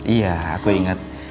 iya aku ingat